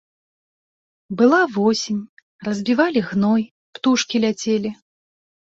Была восень, разбівалі гной, птушкі ляцелі.